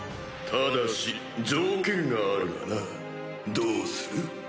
ただし条件があるがなどうする？